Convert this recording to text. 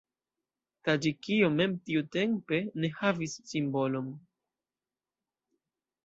Taĝikio mem tiutempe ne havis simbolon.